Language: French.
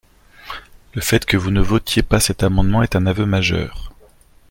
Le fait que vous ne votiez pas cet amendement est un aveu majeur